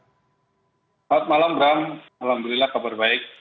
selamat malam bram alhamdulillah kabar baik